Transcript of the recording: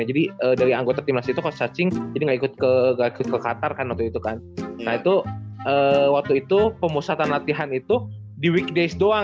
jadi dari anggota tim masih go budget ini aku the car favorite kan tu waktu itu pemusatan latihan itu